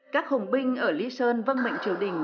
các hùng binh ở lý sơn vân mệnh triều đình